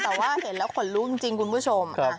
แต่ว่าเห็นแล้วขนลุกจริงคุณผู้ชม